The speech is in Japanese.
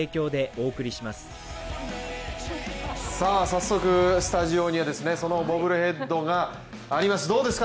早速スタジオにはそのボブルヘッドがあります。